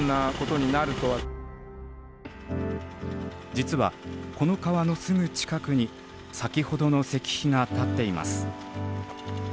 実はこの川のすぐ近くに先ほどの石碑が建っています。